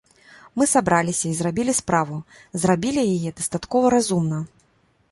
Мы сабраліся і зрабілі справу, зрабілі яе дастаткова разумна.